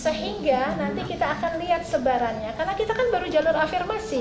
sehingga nanti kita akan lihat sebarannya karena kita kan baru jalur afirmasi